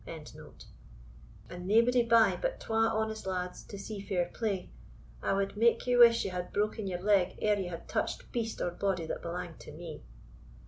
] and naebody by but twa honest lads to see fair play, I wad make ye wish ye had broken your leg ere ye had touched beast or body that belanged to me!